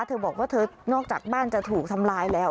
เธอบอกว่าเธอนอกจากบ้านจะถูกทำลายแล้ว